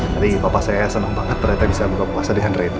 nanti papa saya senang banget reta bisa buka puasa dengan reta